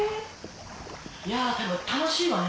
いや楽しいわね